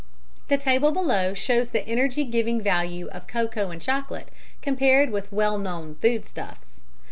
The table below shows the energy giving value of cocoa and chocolate compared with well known foodstuffs.